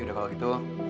ya udah kalau gitu